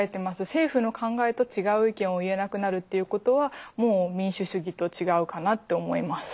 政府の考えと違う意見を言えなくなるっていうことはもう民主主義と違うかなって思います。